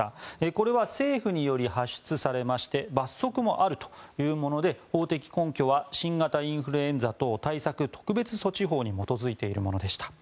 これは政府により発出されまして罰則もあるというもので法的根拠は新型インフルエンザ等対策特別措置法に基づいているものでした。